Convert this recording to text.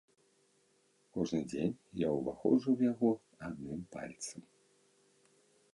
Кожны дзень я ўваходжу ў яго адным пальцам.